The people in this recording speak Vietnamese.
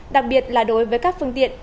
đặc biệt là đối với các phương tiện